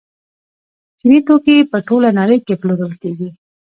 چیني توکي په ټوله نړۍ کې پلورل کیږي.